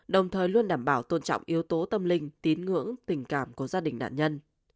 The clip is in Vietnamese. đồng thời luôn đảm bảo tôn trọng yếu tố tâm linh tín ngưỡng tình cảm của gia đình nạn nhân